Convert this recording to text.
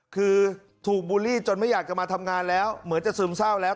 คือถูกบูลลี่จนไม่อยากจะมาทำงานแล้วเหมือนจะซึมเศร้าแล้ว